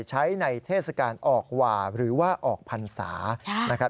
ใช้ในเทศกาลออกหว่าหรือว่าออกพันธุ์ศาสตร์